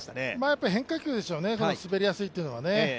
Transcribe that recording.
やっぱり変化球ですよね、滑りやすいというのはね。